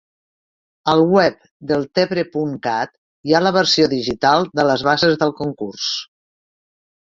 Al web deltebre.cat hi ha la versió digital de les bases del concurs.